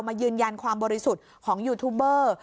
ยืนยันความบริสุทธิ์ของยูทูบเบอร์